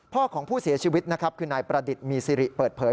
ของผู้เสียชีวิตนะครับคือนายประดิษฐ์มีซิริเปิดเผย